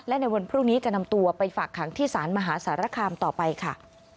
และในวันพรุ่งนี้จะนำตัวไปฝากขังที่ศาลมหาสารคามต่อไปค่ะ